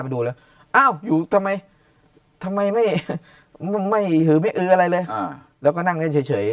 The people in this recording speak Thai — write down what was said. ดูแล้วอ้าวอยู่ทำไมทำไมไม่ไม่ไม่อะไรเลยแล้วก็นั่งนั่งเฉย